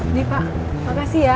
ini pak makasih ya